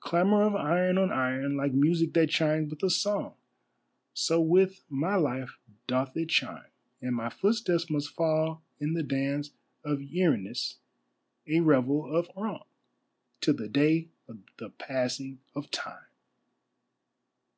Clamour of iron on iron; like music that chimes with a song, So with my life doth it chime, And my footsteps must fall in the dance of Erinnys, a revel of wrong, Till the day of the passing of Time!